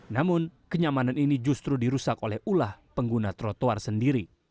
namun kenyamanan ini justru dirusak oleh ulah pengguna trotoar sendiri